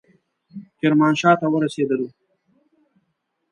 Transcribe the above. کرمانشاه ته ورسېدلو.